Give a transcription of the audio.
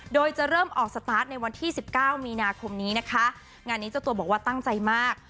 โดยจะเริ่มออกสตาร์ทในวันที่สิบเก้ามีนาคมนี้นะคะงานนี้เจ้าตัวบอกว่าตั้งใจมาก